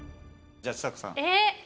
じゃあちさ子さん。